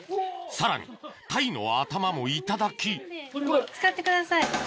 さらにタイの頭も頂き使ってください。